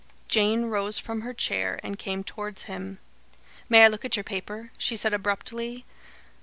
Jane rose from her chair and came towards him. "May I look at your paper?" she said abruptly.